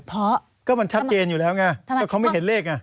เพราะก็มันชัดเจนอยู่แล้วไงก็เขาไม่เห็นเลขไง